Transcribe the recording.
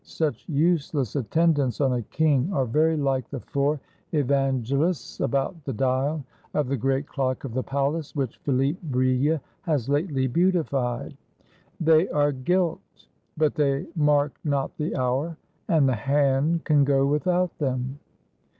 Such useless attendants on a king are very like the four evangelists about the dial of the great clock of the palace, which Philip Brille has lately beautified. ^ Without serving man, without butler. 207 FRANCE They are gilt, but they mark not the hour, and the hand can go without them."